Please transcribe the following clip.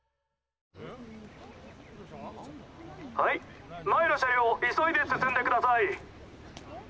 はい前の車両急いで進んでください。